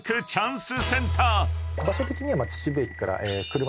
場所的には。